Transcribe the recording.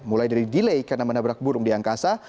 mulai dari delay karena menabrak burung di angkasa